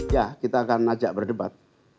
ya kita akan ajak berdebat